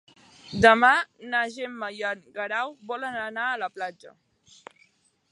Demà na Gemma i en Guerau volen anar a la platja.